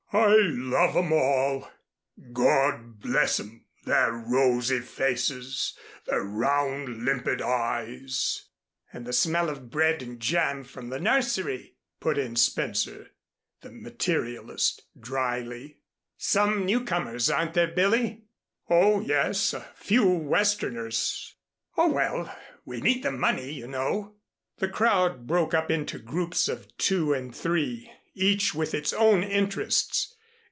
"I love 'em all, God bless 'em, their rosy faces, their round limpid eyes " "And the smell of bread and jam from the nursery," put in Spencer, the materialist, dryly. "Some newcomers, aren't there, Billy?" "Oh, yes, a few Westerners." "Oh, well, we need the money, you know." The crowd broke up into groups of two and three, each with its own interests.